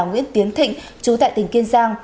nguyễn tiến thịnh chú tại tỉnh kiên giang